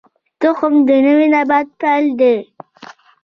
تخم د نوي نبات پیل دی